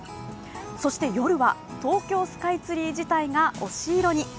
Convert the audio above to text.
そして夜は東京スカイツリー自体が推し色に。